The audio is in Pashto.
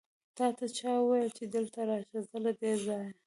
تاته چا وويل چې دلته راشه؟ ځه له دې ځايه!